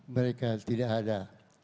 mereka tidak ada